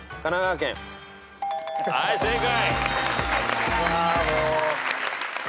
はい正解。